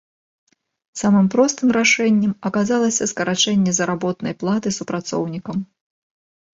Самым простым рашэннем аказалася скарачэнне заработнай платы супрацоўнікам.